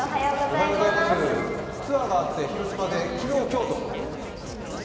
ツアーがあって広島で昨日、今日と？